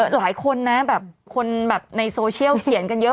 หลายคนนะแบบคนแบบในโซเชียลเขียนกันเยอะ